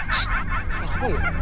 sst suara apa ya